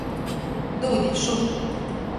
Dūdit šur!